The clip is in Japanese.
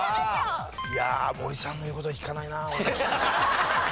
いやあ森さんの言う事は聞かないな俺。